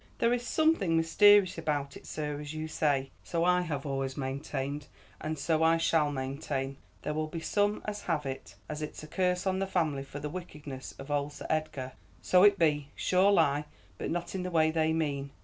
"There is something mysterious about it, sir, as you say; so I have always maintained, and so I shall maintain. There be some as will have it as it's a curse on the family for the wickedness of old Sir Edgar. So it be, surelie, but not in the way they mean.